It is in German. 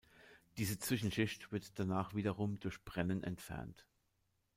Diese Zwischenschicht wird danach wiederum durch Brennen entfernt.